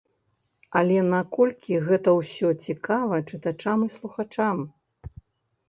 Але наколькі гэта ўсё цікава чытачам і слухачам?